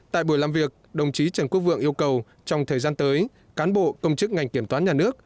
tại buổi làm việc đồng chí trần quốc vượng yêu cầu trong thời gian tới cán bộ công chức ngành kiểm toán nhà nước